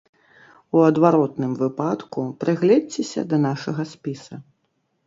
У адваротным выпадку прыгледзьцеся да нашага спіса.